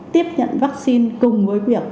tiếp nhận vaccine cùng với việc